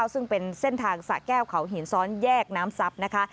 ซึ่งเป็นเส้นทางสะแก้วเขาหินซ้อนแยกน้ำทรัพย์นะคะ